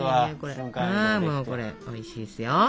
ああもうこれおいしいですよ。